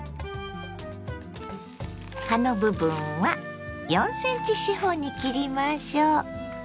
葉の部分は４ｃｍ四方に切りましょ。